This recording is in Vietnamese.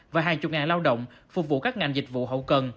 và hai mươi lao động phục vụ các ngành dịch vụ hậu cần